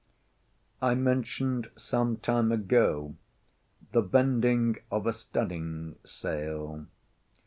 I mentioned some time ago the bending of a studding sail.